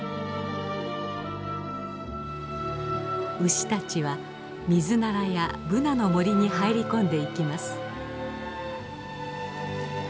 牛たちはミズナラやブナの森に入り込んでいきます。